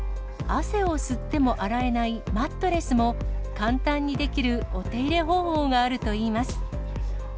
汗を吸っても洗えないマットレスも、簡単にできるお手入れ方法があるといいます。